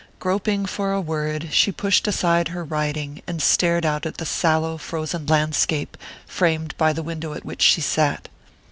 Groping for a word, she pushed aside her writing and stared out at the sallow frozen landscape framed by the window at which she sat.